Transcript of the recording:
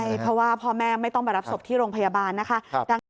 ใช่เพราะว่าพ่อแม่ไม่ต้องไปรับศพที่โรงพยาบาลนะคะ